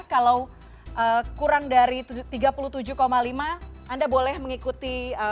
kalau kurang dari tiga puluh tujuh lima anda boleh mengikuti